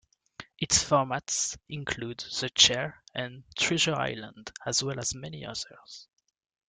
Its formats include "The Chair" and "Treasure Island", as well as many others.